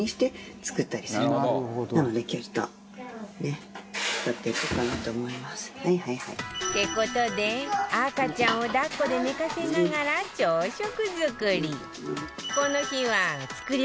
ってことで、赤ちゃんを抱っこで寝かせながら朝食作り。